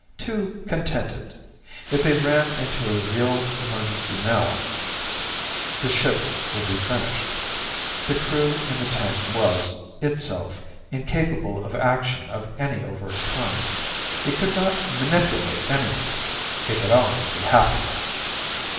Too contented. If they ran into a real emergency now, the ship would be finished. The Crew in the tank was, itself, incapable of action of any overt kind. It could not manipulate anything. It could only be happy.